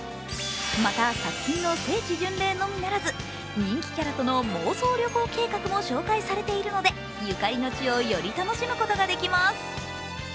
また、作品の聖地巡礼のみならず人気キャラとの妄想旅行計画も紹介されているので、ゆかりの地をより楽しむことができます。